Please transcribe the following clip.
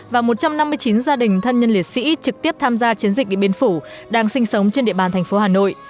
và một trăm năm mươi chín gia đình thân nhân liệt sĩ trực tiếp tham gia chiến dịch địa biên phủ đang sinh sống trên địa bàn thành phố hà nội